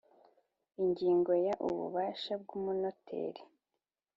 Ingingo ya ububasha bw umunoteri